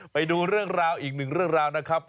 ไปดูเรื่องราวอีกหนึ่งเรื่องราวนะครับ